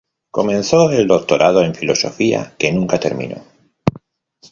Comenzó el doctorado en Filosofía, que nunca terminó.